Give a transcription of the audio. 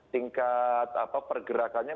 tingkat apa pergerakannya